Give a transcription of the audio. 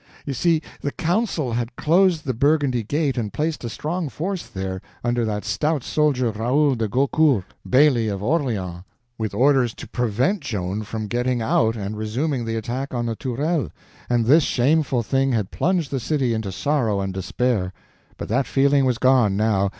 You see, the council had closed the Burgundy gate and placed a strong force there, under that stout soldier Raoul de Gaucourt, Bailly of Orleans, with orders to prevent Joan from getting out and resuming the attack on the Tourelles, and this shameful thing had plunged the city into sorrow and despair. But that feeling was gone now.